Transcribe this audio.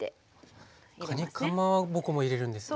かにかまぼこも入れるんですね。